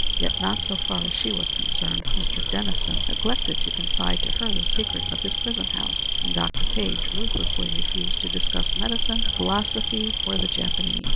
Yet, not so far as she was concerned. Mr. Dennison neglected to confide to her the secrets of his prison house, and Dr. Page ruthlessly refused to discuss medicine, philosophy, or the Japanese.